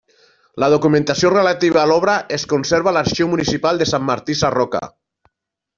La documentació relativa a l'obra es conserva a l'arxiu municipal de Sant Martí Sarroca.